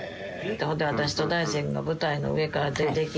私と大助君が舞台の上から出てきて。